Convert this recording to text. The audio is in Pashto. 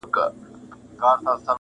o شهو مي د نه وسه خور ده٫